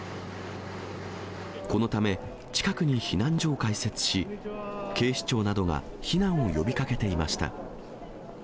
このため、近くに避難所を開設し、警視庁などが避難を呼びかけていました。